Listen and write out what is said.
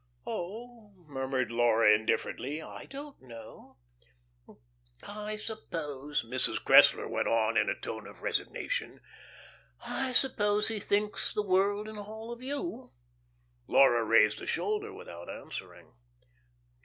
"Oh," murmured Laura indifferently, "I don't know." "I suppose," Mrs. Cressler went on, in a tone of resignation, "I suppose he thinks the world and all of you?" Laura raised a shoulder without answering.